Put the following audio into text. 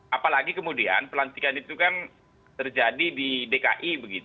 apalagi kemudian pelantikan itu kan terjadi di dki